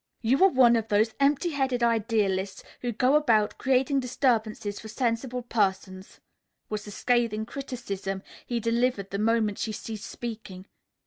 "You are one of those empty headed idealists who go about creating disturbances for sensible persons," was the scathing criticism he delivered the moment she ceased speaking.